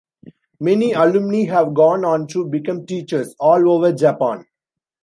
Many alumni have gone on to become teachers all over Japan.